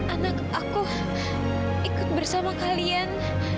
anak aku ikut bersama kalian